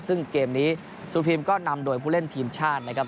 ซึ่งเกมนี้ซูพิมก็นำโดยผู้เล่นทีมชาตินะครับ